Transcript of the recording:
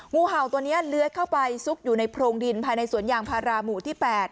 งูเห่าตัวนี้เลื้อยเข้าไปซุกอยู่ในโพรงดินภายในสวนยางพาราหมู่ที่๘